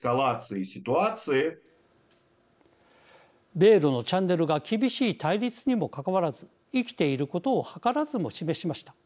米ロのチャンネルが厳しい対立にもかかわらずいきていることを図らずも示しました。